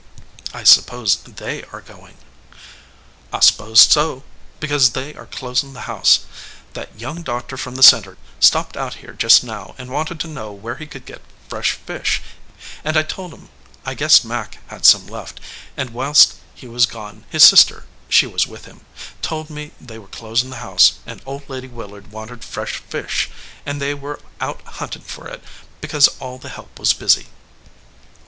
"I suppose They are goin ?" "I s pose so, because they are closiri the house. That young doctor from the Center stopped out 136 THE OUTSIDE OF THE HOUSE here just now, and wanted to know where he could get fresh fish, and I told him I guessed Mac had some left; and whilst he was gone his sister she was with him told me they were closin the house, and Old Lady Willard wanted fresh fish, and they were out huntin for it, because all the help was busy."